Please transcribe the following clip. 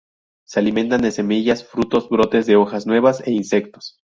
Se alimentan de semillas, frutos, brotes de hojas nuevas, e insectos.